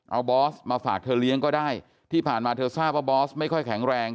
เอาบอสมาฝากเธอเลี้ยงก็ได้ที่ผ่านมาเธอทราบว่าบอสไม่ค่อยแข็งแรง